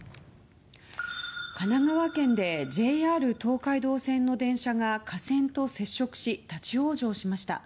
神奈川県でＪＲ東海道線の電車が架線と接触し立ち往生しました。